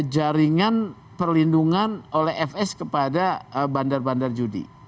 jaringan perlindungan oleh fs kepada bandar bandar judi